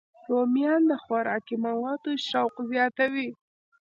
رومیان د خوراکي موادو شوق زیاتوي